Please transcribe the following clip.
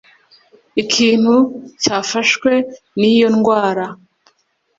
ikintu cyafashwe n iyo ndwara